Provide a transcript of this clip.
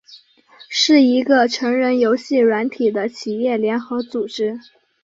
是一个成人游戏软体的企业联合组织。